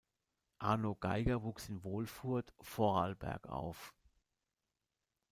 Arno Geiger wuchs in Wolfurt, Vorarlberg, auf.